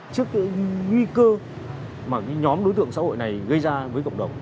trước những nguy cơ mà nhóm đối tượng xã hội này gây ra với cộng đồng